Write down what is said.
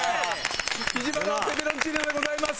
木島のペペロンチーノでございます。